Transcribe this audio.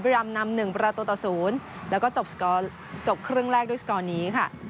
รามนำ๑ประตูต่อ๐แล้วก็จบครึ่งแรกด้วยสกอร์นี้ค่ะ